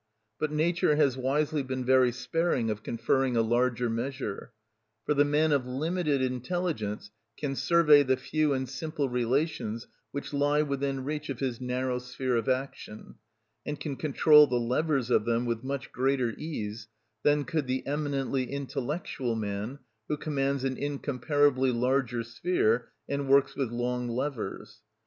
But nature has wisely been very sparing of conferring a larger measure; for the man of limited intelligence can survey the few and simple relations which lie within reach of his narrow sphere of action, and can control the levers of them with much greater ease than could the eminently intellectual man who commands an incomparably larger sphere and works with long levers.